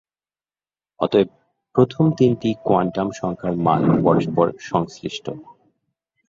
অতএব, প্রথম তিনটি কোয়ান্টাম সংখ্যার মান পরস্পর সংশ্লিষ্ট।